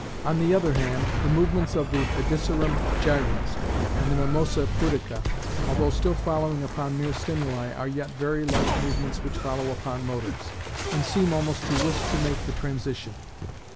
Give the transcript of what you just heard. On the other hand, the movements of the Hedysarum gyrans and the Mimosa pudica, although still following upon mere stimuli, are yet very like movements which follow upon motives, and seem almost to wish to make the transition.